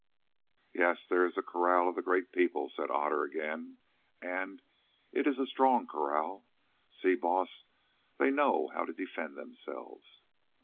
"Yes, there is the kraal of the Great People," said Otter again, "and it is a strong kraal. See, Baas, they know how to defend themselves.